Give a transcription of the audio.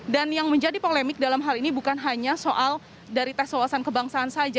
dan yang menjadi polemik dalam hal ini bukan hanya soal dari tes wawasan kebangsaan saja